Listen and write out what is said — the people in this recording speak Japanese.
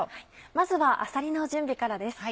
まずはあさりの準備からです。